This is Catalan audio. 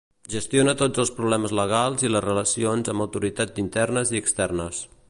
Gestiona tots els problemes legals i les relacions amb autoritats internes i externes.